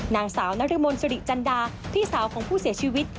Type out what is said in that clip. นางสาวนรมนสุริจันดาพี่สาวของผู้เสียชีวิต